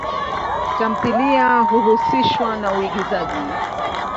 Tamthilia huhusishwa na uigizaji.